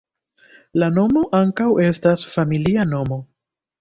La nomo ankaŭ estas familia nomo.